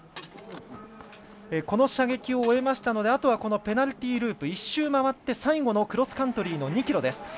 この射撃を終えましたのであとはペナルティーループ１周回って最後のクロスカントリーの２ｋｍです。